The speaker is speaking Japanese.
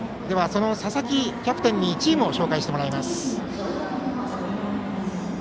その佐々木キャプテンにチームを紹介してもらいます。